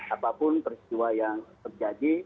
apapun peristiwa yang terjadi